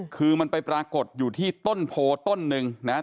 คือมันไปปรากฏอยู่ที่ต้นโพต้นหนึ่งนะครับ